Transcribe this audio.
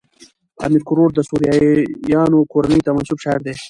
امیر کروړ د سوریانو کورنۍ ته منسوب شاعر دﺉ.